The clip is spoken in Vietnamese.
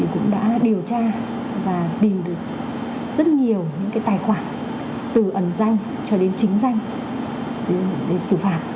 cũng đã điều tra và tìm được rất nhiều những tài khoản từ ẩn danh cho đến chính danh để xử phạt